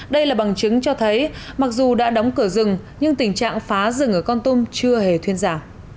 đây là bằng chứng cho thấy mặc dù đã đóng cửa rừng nhưng tình trạng phá rừng ở con tum chưa hề thuyên giảm